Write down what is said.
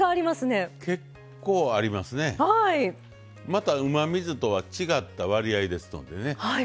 またうまみ酢とは違った割合ですのでね